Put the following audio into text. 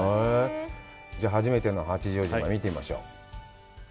じゃあ初めての八丈島、見てみましょう。